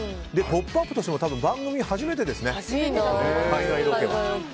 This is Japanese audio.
「ポップＵＰ！」としても多分、番組初めてですね海外ロケは。